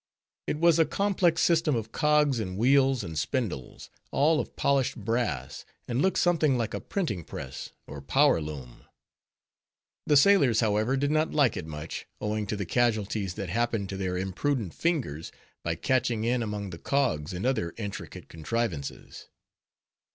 It was a complex system of cogs and wheels and spindles, all of polished brass, and looked something like a printing press, or power loom. The sailors, however, did not like it much, owing to the casualties that happened to their imprudent fingers, by catching in among the cogs and other intricate contrivances.